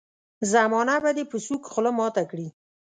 زمانه به دي په سوک خوله ماته کړي.